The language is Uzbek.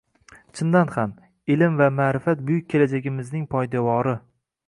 Chindan ham, ilm va maʼrifat buyuk kelajagimizning poydevori.